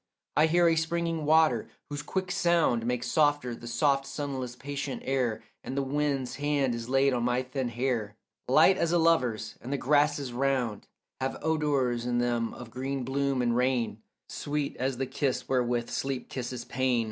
I hear a springing water, whose quick sound Makes softer the soft sunless patient air, And the wind's hand is laid on my thin hair Light as a lover's, and the grasses round Have odours in them of green bloom and rain Sweet as the kiss wherewith sleep kisses pain.